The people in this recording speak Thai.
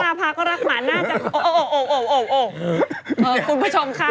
ไม่ใช่บอกอ้ำพัชราพาก็รักหมาน่าจะโอ้โหโอ้โหโอ้โห